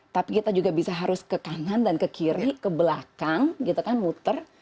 tapi kita juga bisa harus ke kanan dan ke kiri ke belakang gitu kan muter